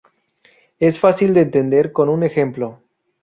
Es fácil de entender con un ejemplo.